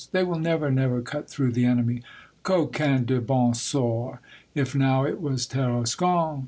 They will never, never cut through the enemy ! Coquin de bon sort ! If now it was Tarascon